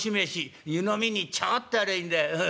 湯飲みにちょっとありゃいいんだうん。